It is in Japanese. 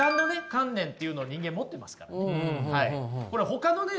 観念っていうのを人間持ってますからねほかのね